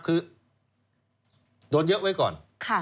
คือโดนเยอะไว้ก่อน